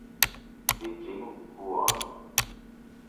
Beijing Guoan